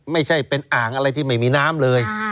ไม่ใช่เป็นอ่างอะไรที่ไม่มีน้ำเลย